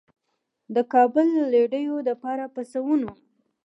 د کابل رېډيؤ دپاره پۀ سوونو